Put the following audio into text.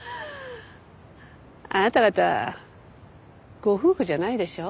あなた方ご夫婦じゃないでしょう？